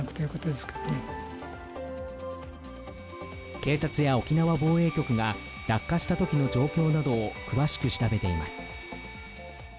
警察や沖縄防衛局が落下したときの状況を詳しく調べています。